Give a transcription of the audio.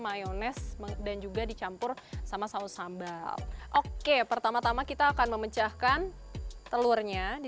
mayonese dan juga dicampur sama saus sambal oke pertama tama kita akan memecahkan telurnya di